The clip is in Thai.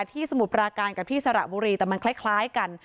สมุทรปราการกับที่สระบุรีแต่มันคล้ายกัน